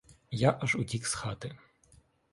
Я аж утік з хати.